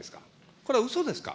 これはうそですか。